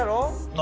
何？